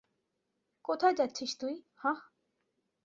কোথায় যাচ্ছিস তুই, হাহ?